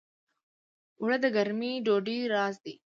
اوړه د ګرمې ډوډۍ راز دي